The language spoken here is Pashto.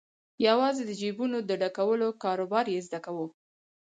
یوازې د جیبونو د ډکولو کاروبار یې زده وو.